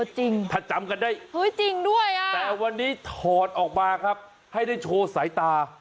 ถ้าจำกันได้แต่วันนี้ถอดออกมาครับให้ได้โชว์สายตา